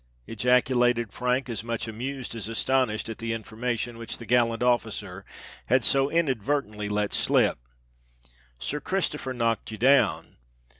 ejaculated Frank, as much amused as astonished at the information which the gallant officer had so inadvertently let slip; "Sir Christopher knocked you down!"